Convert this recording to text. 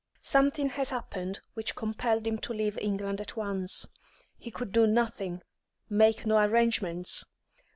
Something has happened which compelled him to leave England at once. He could do nothing, make no arrangements.